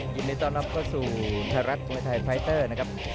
ยินดีต้อนรับเข้าสู่ไทยรัฐมวยไทยไฟเตอร์นะครับ